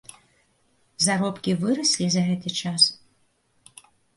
Заробкі выраслі за гэты час?